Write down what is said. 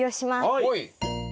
はい。